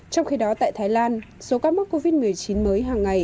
trong khi đó tại thái lan số ca mắc covid một mươi chín mới hàng ngày